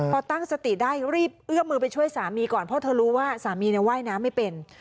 พอตั้งสติได้รีบเอื้อมมือไปช่วยสามีก่อนเพราะเธอรู้ว่าสามีว่ายน้ำไม่เป็น